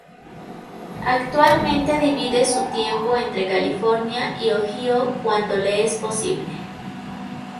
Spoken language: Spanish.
Actualmente divide su tiempo entre California y Ohio, cuando le es posible.